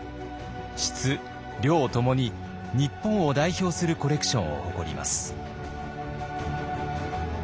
質量ともに日本を代表するコレクションを誇ります。